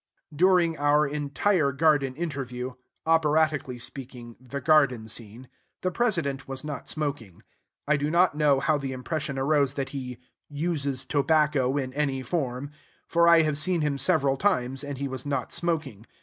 During our entire garden interview (operatically speaking, the garden scene), the President was not smoking. I do not know how the impression arose that he "uses tobacco in any form;" for I have seen him several times, and he was not smoking.